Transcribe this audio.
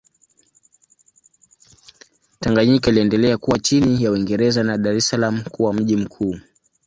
Tanganyika iliendelea kuwa chini ya Uingereza na Dar es Salaam kuwa mji mkuu.